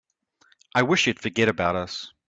I wish you'd forget about us.